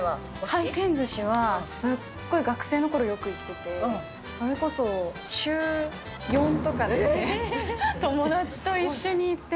回転ずしは、すっごい学生のころ、よく行ってて、それこそ週４とかで、友達と一緒に行って。